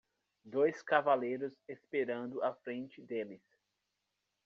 dois cavaleiros esperando à frente deles.